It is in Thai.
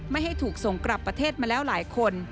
ไม่ให้ถูกส่งกลับประเทศมาแล้วหลายคน